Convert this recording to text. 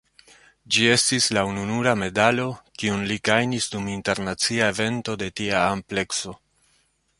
Ĝi estis la ununura medalo kiun li gajnis dum internacia evento de tia amplekso.